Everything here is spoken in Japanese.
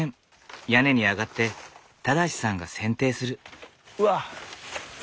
屋根に上がって正さんがせんていする。